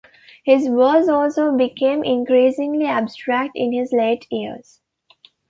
His verse also became increasingly abstract in his later years.